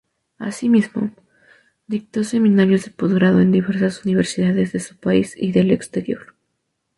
Asimismo, dictó seminarios de posgrado en diversas universidades de su país y del exterior.